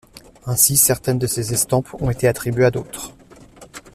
Ainsi, certaines de ses estampes ont été attribuées à d’autres.